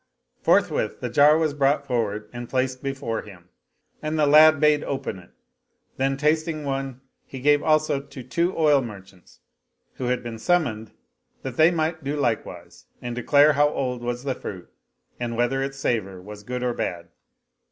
Forthwith the jar was brought forward and placed before him; and the lad bade open it; then, tasting one he gave also to two oil merchants who had been sum moned, that they might do likewise and declare how old was the fruit and whether its savor was good or bad.